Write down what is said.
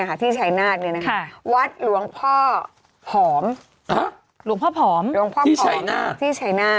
ขอบอกว่า